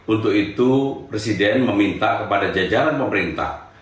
untuk itu presiden meminta kepada jajaran pemerintah